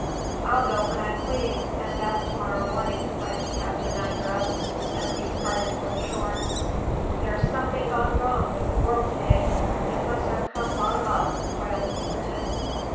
"I'll go when I please, and that's to morrow morning," cried the captain after us, as we departed for the shore. "There's something gone wrong with the world to day; it must have come bottom up!" wailed Pinkerton.